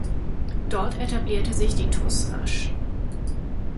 Dort etablierte sich die TuS rasch.